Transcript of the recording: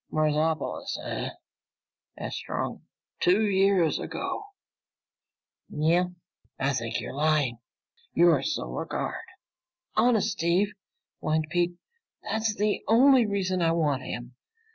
"Marsopolis, eh?" asked Strong. "Two years ago?" "Yeah." "I think you're lying! You're Solar Guard." "Honest, Steve," whined Pete. "That's the only reason I want him.